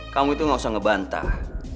kamu itu gak usah ngebantah